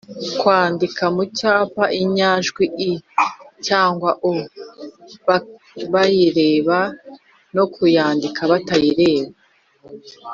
-kwandika mu cyapa inyajwi i cyangwa u bayireba no kuyandika batayireba.